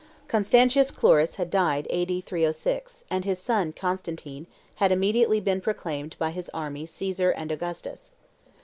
Constantius Chlorus had died A.D. 306, and his son, Constantine, had immediately been proclaimed by his army Caesar and Augustus.